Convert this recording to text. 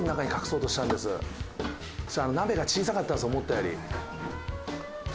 そうしたら鍋が小さかったんです思ったより。